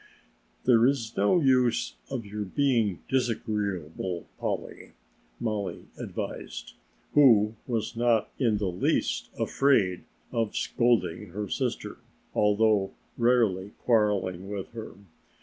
"There is no use in your being disagreeable, Polly," Mollie advised, who was not in the least afraid of scolding her sister, although rarely quarreling with her.